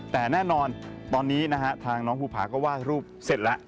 แต่แน่นอนตอนนี้นะฮะทางน้องภูผาก็ไหว้รูปเสร็จแล้ว